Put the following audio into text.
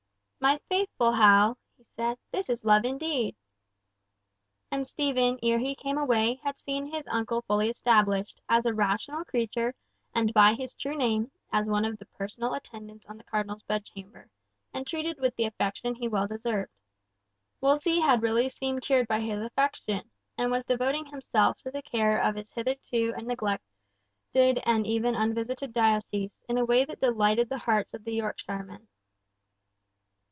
"My faithful Hal!" he said, "this is love indeed!" And Stephen ere he came away had seen his uncle fully established, as a rational creature, and by his true name, as one of the personal attendants on the Cardinal's bed chamber, and treated with the affection he well deserved. Wolsey had really seemed cheered by his affection, and was devoting himself to the care of his hitherto neglected and even unvisited diocese, in a way that delighted the hearts of the Yorkshiremen.